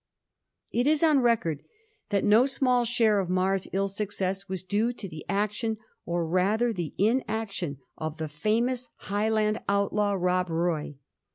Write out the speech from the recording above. It is on record that no small share of Mar's ill success was due to the action, or rather the inaction, of the £unous Highland outlaw Rob Roy.